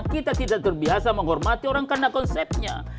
kita tidak terbiasa menghormati orang karena konsepnya